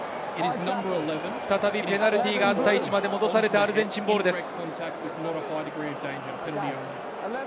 再びペナルティーがあった位置まで戻されて、アルゼンチンボールです。